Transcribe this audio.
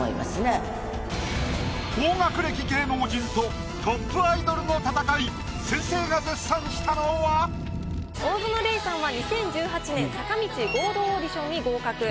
高学歴芸能人とトップアイドルの戦い先生が絶賛したのは⁉大園玲さんは２０１８年坂道合同オーディションに合格。